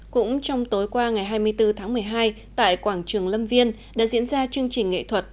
cũng trong tối qua ngày hai mươi bốn tháng một mươi hai tại quảng trường lâm viên đã diễn ra chương trình nghệ thuật